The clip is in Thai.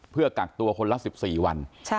เพื่อกักตัวคนละ๑๔วัน